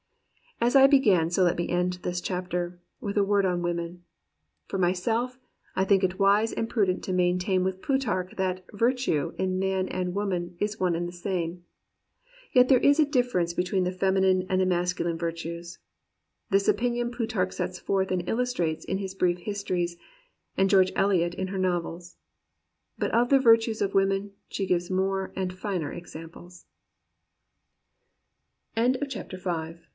As I began so let me end this chapter — ^with a word on women. For myself, I think it wise and prudent to maintain with Plutarch that virtue in man and woman is one and the same. Yet there is a difference between the feminine and the masculine virtues. This opinion Plutarch sets forth and illus trates in his brief histories, and George Eliot in her novels.